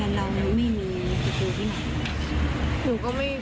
แล้วเราไม่มีตัวตัวที่ไหน